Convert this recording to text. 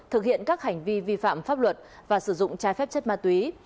thực hiện các hành vi vi phạm pháp luật và sử dụng trái phép chất ma túy